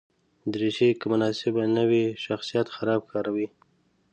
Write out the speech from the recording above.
دریشي که مناسبه نه وي، شخصیت خراب ښکاروي.